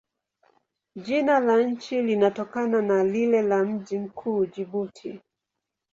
Jina la nchi linatokana na lile la mji mkuu, Jibuti.